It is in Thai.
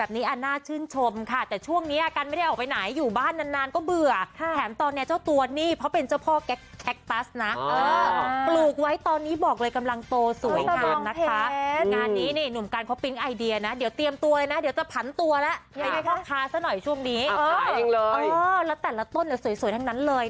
ขอบคุณมากน่ารักมากเลยเห็นรูปทางโซเชียลแล้วก็แบบบีใจ